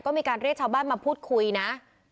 ก็มีการเรียกชาวบ้านมาพูดคุยนะ